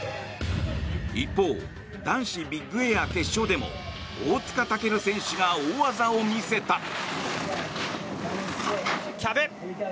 一方、男子ビッグエア決勝でも大塚健選手が大技を見せた。